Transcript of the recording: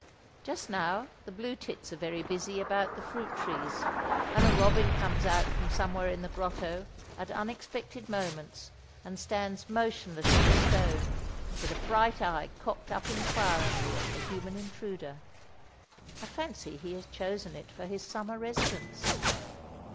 Just now the blue tits are very busy about the fruit trees, and a robin comes out from somewhere in the grotto at unexpected moments and stands motionless on a stone, with a bright eye cocked up inquiringly at the human intruder. I fancy he has chosen it for his summer residence.